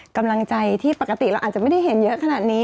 กำลังใจที่ปกติเราอาจจะไม่ได้เห็นเยอะขนาดนี้